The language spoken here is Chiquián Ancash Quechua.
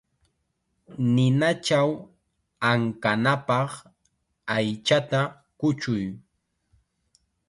Ninachaw ankanapaq aychata kuchuy.